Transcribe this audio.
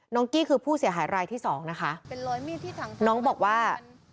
น้องกี้คือผู้เสียหายรายที่สองนะคะน้องบอกว่า